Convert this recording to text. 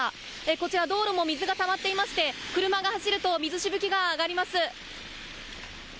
こちら、道路も水がたまっていまして車が走ると水しぶきが上がります。